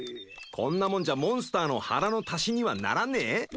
こんなもんじゃモンスターの腹の足しにはならねえ？